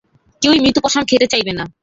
কেউই মৃত পসাম খেতে চাইবে না।